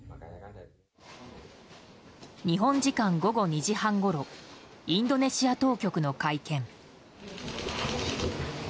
日本時間午後２時半ごろインドネシア当局の会見。